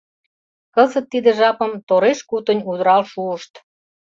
Кызыт тиде жапым тореш-кутынь удырал шуышт.